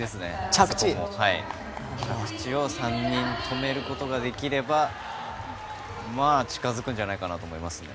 着地を３人止めることができれば近づくんじゃないかなと思います。